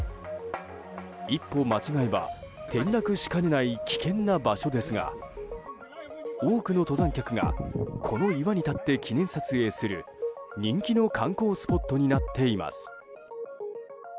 一歩間違えば転落しかねない危険な場所ですが多くの登山客がこの岩に立って記念撮影する人気の観光スポットになっています。